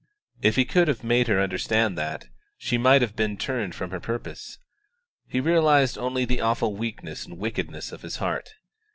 If he could have made her understand that, she might have been turned from her purpose. He realised only the awful weakness and wickedness of his heart.